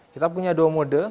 kita punya dua mode